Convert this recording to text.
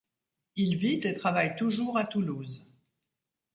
Il vit et travaille toujours à Toulouse.